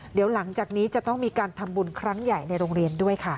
เดี๋ยวหลังจากนี้จะต้องมีการทำบุญครั้งใหญ่ในโรงเรียนด้วยค่ะ